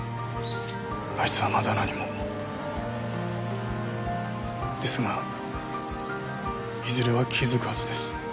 あいつはまだ何もですがいずれは気づくはずです